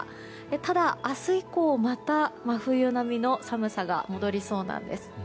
ただ明日以降、また真冬並みの寒さが戻りそうです。